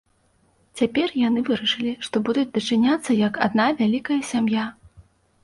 Цяпер яны вырашылі, што будуць дачыняцца, як адна вялікая сям'я.